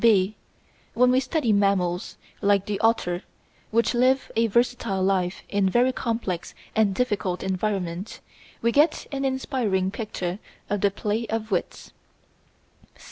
(b) When we study mammals, like the otter, which live a versatile life in a very complex and difficult environment, we get an inspiriting picture of the play of wits.